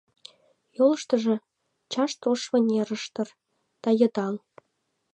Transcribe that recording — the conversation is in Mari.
Йолыштыжо — чашт ош вынер ыштыр да йыдал.